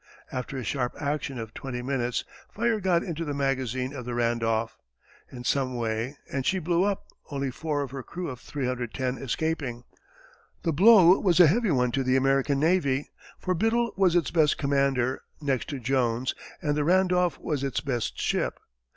After a sharp action of twenty minutes, fire got into the magazine of the Randolph, in some way, and she blew up, only four of her crew of 310 escaping. The blow was a heavy one to the American navy, for Biddle was its best commander, next to Jones, and the Randolph was its best ship.